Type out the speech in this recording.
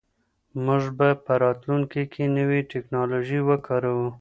موږ به په راتلونکي کې نوې ټیکنالوژي وکاروو.